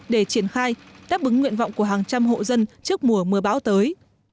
để triển khai đáp ứng nguyện vọng của hàng trăm hộ dân trước mùa mưa bão tới